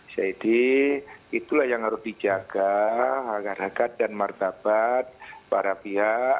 jadi itulah yang harus dijaga agar agar dan martabat para pihak